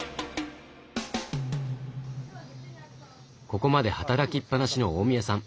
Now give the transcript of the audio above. ここまで働きっぱなしの大宮さん。